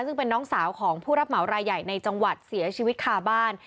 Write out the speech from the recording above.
ซึ่งเป็นน้องสาวของผู้รับเหมารายใหญ่ในจังหวัดเสียชีวิตคาบ้าน